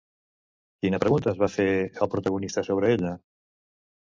Quina pregunta es va fer el protagonista sobre ella?